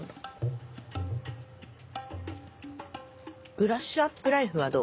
『ブラッシュアップライフ』はどう？